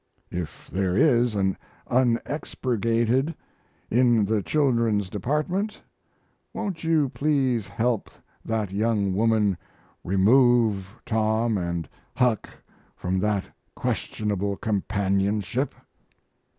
If there is an unexpurgated in the Children's Department, won't you please help that young woman remove Tom & Huck from that questionable companionship?